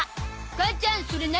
母ちゃんそれ何？